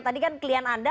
tadi kan klien anda